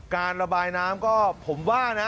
การระบายน้ำก็ผมว่านะ